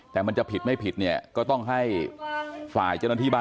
แต่มันจะผิดไม่ผิดเนี่ยก็ต้องให้ฝ่ายเจ้าหน้าที่บ้าน